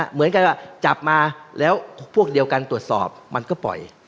เหมือนกับว่าจับมาแล้วพวกเดียวกันตรวจสอบมันก็ปล่อย